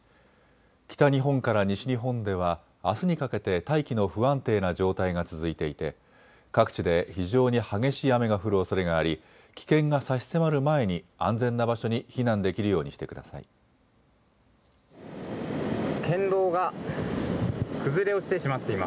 北日本から西日本ではあすにかけて大気の不安定な状態が続いていて各地で非常に激しい雨が降るおそれがあり危険が差し迫る前に安全な場所に避難できるようにしてください。